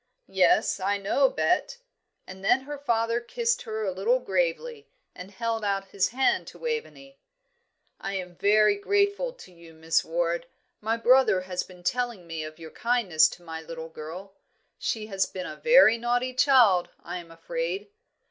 "Yes, I know, Bet;" and then her father kissed her a little gravely, and held out his hand to Waveney. "I am very grateful to you, Miss Ward. My brother has been telling me of your kindness to my little girl; she has been a very naughty child, I am afraid."